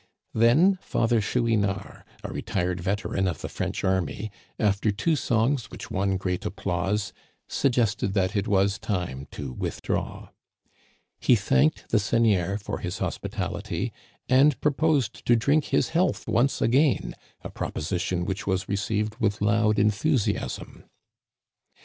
Then Father Chouinard, a retired veteran of the French army, after two songs which won great applause, suggested that it was time to withdraw. He thanked the seigneur for his hospitality, and pro Digitized by VjOOQIC THE MAY FEAST. 123 posed to drink his health once again — a proposition which was received with loud enthusiasm.